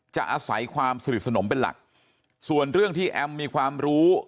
อาศัยความสนิทสนมเป็นหลักส่วนเรื่องที่แอมมีความรู้